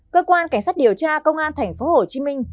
cơ quan cảnh sát điều tra công an tp hcm